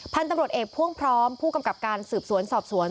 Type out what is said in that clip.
พันธุ์ตำรวจเอกพ่วงพร้อมผู้กำกับการสืบสวนสอบสวน